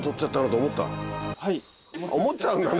思っちゃうんだね